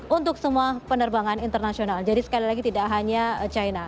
untuk semua penerbangan internasional jadi sekali lagi tidak hanya china